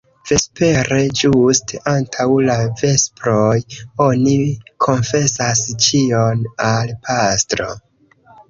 Vespere, ĝuste antaŭ la vesproj, oni konfesas ĉion al pastro.